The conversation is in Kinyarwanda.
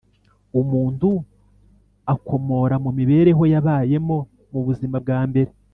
umuntu akomora mu mibereho yabayemo mu buzima bwa mbere